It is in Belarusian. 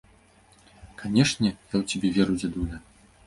Канечне, я ў цябе веру, дзядуля!